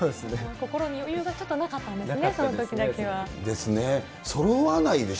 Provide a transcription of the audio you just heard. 心に余裕がちょっとなかったなかったですね、そのとき。